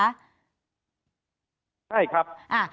ใช่ครับ